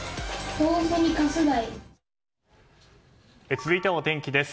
続いてはお天気です。